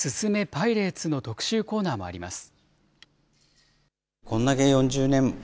パイレーツの特集コーナーもあります。